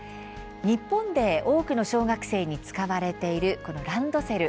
日本で多くの小学生に使われているこのランドセル。